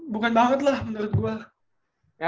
bukan banget lah menurut gue